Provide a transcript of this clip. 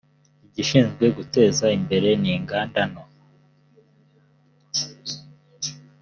igishinzwe guteza imbere inganda nto